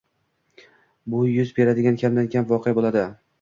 Bu yuz beradigan kamdan-kam voqea boʻladi.